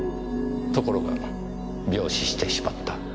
ところが病死してしまった。